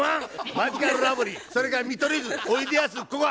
マヂカルラブリーそれから見取り図おいでやすこが。